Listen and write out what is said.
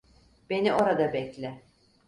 Beni orada bekle.